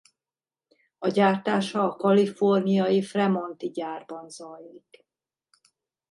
A gyártása a kaliforniai Fremont-i gyárban zajlik.